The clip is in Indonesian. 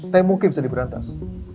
tapi mungkin bisa diberantas